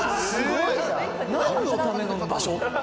何のための場所？